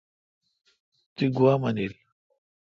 تی گوا منیل